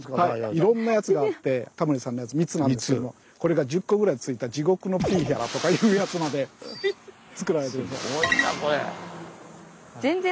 いろんなやつがあってタモリさんのやつ３つなんですけどもこれが１０個ぐらいついた「地獄のピーヒャラ」とかいうやつまでつくられるように。